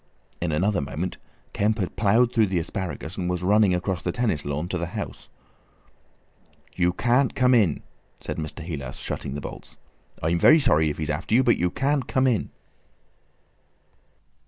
In another moment Kemp had ploughed through the asparagus, and was running across the tennis lawn to the house. "You can't come in," said Mr. Heelas, shutting the bolts. "I'm very sorry if he's after you, but you can't come in!"